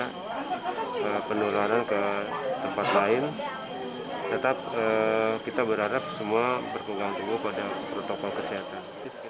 kita berharap semua berkegangan tubuh pada protokol kesehatan